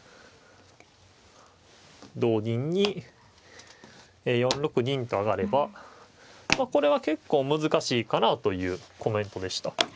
同銀に４六銀と上がればまあこれは結構難しいかなというコメントでした。